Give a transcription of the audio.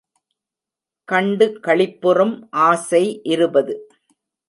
கண்டு களிப்புறும் ஆசை இருபது.